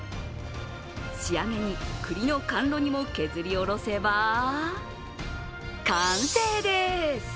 仕上げに栗の甘露煮も削りおろせば完成です。